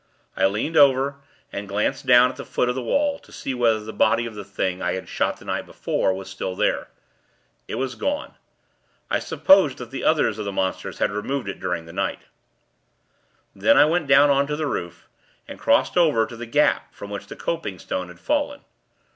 I leant over, and glanced down to the foot of the wall, to see whether the body of the Thing I had shot the night before was still there. It was gone. I supposed that others of the monsters had removed it during the night. Then, I went down on to the roof, and crossed over to the gap from which the coping stone had fallen.